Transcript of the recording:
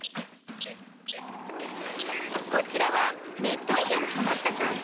こちらは熱帯魚のハマったさん